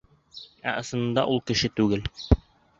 Ә ысынында ул кеше түгел.